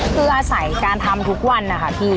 คืออาศัยการทำทุกวันนะคะพี่